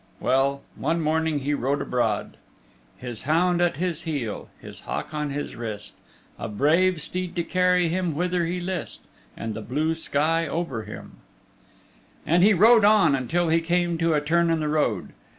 Well, one morning he rode abroad His hound at his heel, His hawk on his wrist; A brave steed to carry him whither he list, And the blue sky over him, and he rode on until he came to a turn in the road.